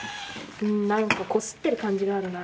何かこすってる感じがあるな